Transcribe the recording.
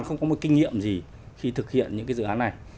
chúng tôi không có một kinh nghiệm gì khi thực hiện những cái dự án này